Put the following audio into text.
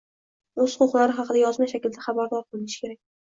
o‘z huquqlari haqida yozma shaklda xabardor qilinishi kerak.